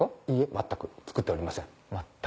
いいえ全く造っておりません。